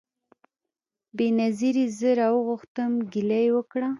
بېنظیري زه راوغوښتم ګیله یې وکړه